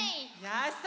よし。